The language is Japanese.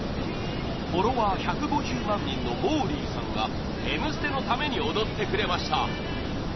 フォロワー１５０万人のもーりーさんが「Ｍ ステ」のために踊ってくれました